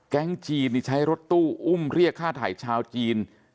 แก๊งจีนนี่ใช้รถตู้อุ้มเรียกค่าไทยชาวจีน